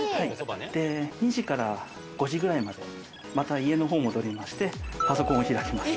で２時から５時ぐらいまでまた家の方戻りましてパソコンを開きます。